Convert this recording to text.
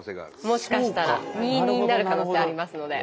もしかしたら２−２になる可能性ありますので。